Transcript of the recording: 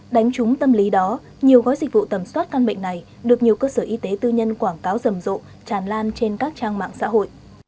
đánh trúng tâm lý đó nhiều gói dịch vụ tầm soát căn bệnh này được nhiều cơ sở y tế tư nhân quảng cáo rầm rộ tràn lan trên các trang mạng xã hội